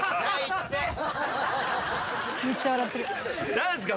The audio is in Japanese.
何ですか？